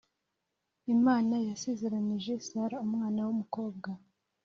imana yasezeranije sara umwana wumukobwa